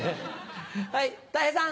はいたい平さん。